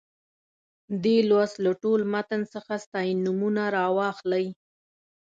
دې لوست له ټول متن څخه ستاینومونه راواخلئ.